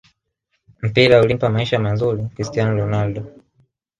mpira ulimpa maisha mazuri cristian ronaldo